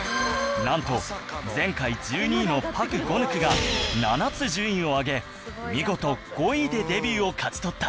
なんと前回１２位のパク・ゴヌクが７つ順位を上げ見事５位でデビューを勝ち取った